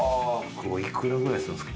幾らぐらいするんですか？